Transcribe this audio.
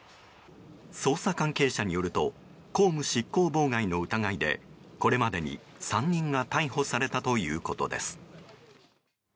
捜査関係者によると公務執行妨害の疑いでこれまでに３人が逮捕されたということです。